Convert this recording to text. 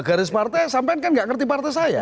garis partai sampai kan tidak mengerti partai saya